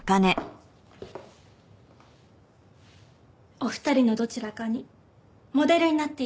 お二人のどちらかにモデルになって頂きたいの。